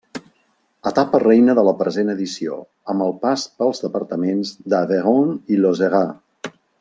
Etapa reina de la present edició, amb el pas pels departaments d'Avairon i Losera.